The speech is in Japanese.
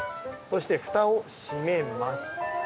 そしてフタを閉めます。